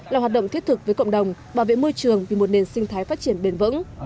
là hoạt động thiết thực với cộng đồng bảo vệ môi trường vì một nền sinh thái phát triển bền vững